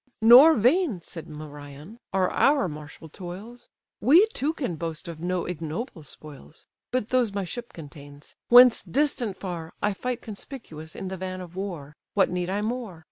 "Nor vain (said Merion) are our martial toils; We too can boast of no ignoble spoils: But those my ship contains; whence distant far, I fight conspicuous in the van of war, What need I more?